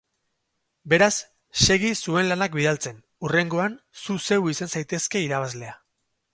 Beraz, segi zuen lanak bidaltzen, hurrengoan zu zeu izan zaitezke irabazlea.